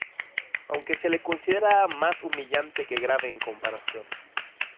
Aunque se lo considera más humillante que grave en comparación.